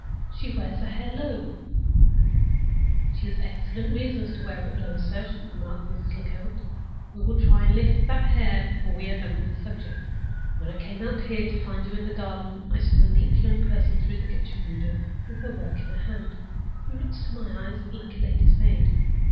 She wears her hair low—" "She has excellent reasons to wear it low, sir," remarked Mrs. Lecount. "We will try and lift that hair before we have done with the subject. When I came out here to find you in the garden, I saw a neat young person through the kitchen window, with her work in her hand, who looked to my eyes like a lady's maid.